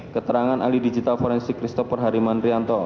keterangan alih digital forensik kristopher harimandrianto